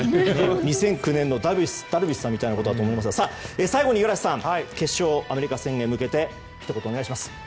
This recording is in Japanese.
２００９年のダルビッシュ選手みたいなことだと思いますが最後に五十嵐さん決勝アメリカ戦に向けてひと言お願いします。